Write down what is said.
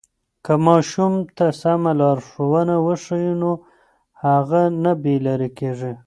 که ماشوم ته سمه لاره وښیو نو هغه نه بې لارې کېږي.